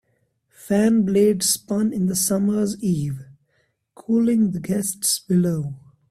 Fan blades spun in the summer's eve, cooling the guests below.